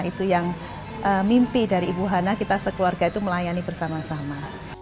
itu yang mimpi dari ibu hana kita sekeluarga itu melayani bersama sama